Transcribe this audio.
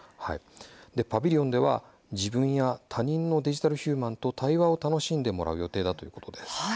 パビリオンでは自分や他人のデジタルヒューマンと対話を楽しんでもらう予定だということです。